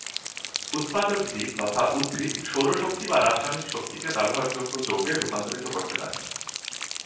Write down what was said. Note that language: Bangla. উৎপাদক জীব তথা উদ্ভিদ সৌর শক্তি বা রাসায়নিক শক্তিকে ব্যবহারযোগ্য যৌগে রূপান্তরিত করতে পারে।